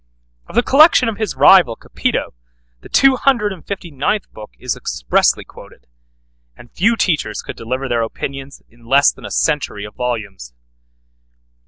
Of the collection of his rival Capito, the two hundred and fifty ninth book is expressly quoted; and few teachers could deliver their opinions in less than a century of volumes.